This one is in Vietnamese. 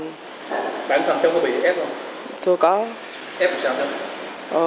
bạn thân cháu có bị ép không